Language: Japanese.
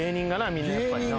みんなやっぱりな。